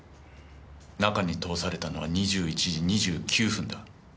中に通されたのは２１時２９分だ。